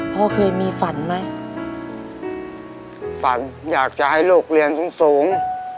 พ่อเคยมีฝันไหมฝันอยากจะให้ลูกเรียนสูงสูง